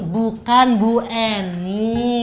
bukan bu eni